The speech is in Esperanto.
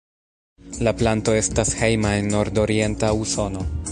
La planto estas hejma en nordorienta Usono.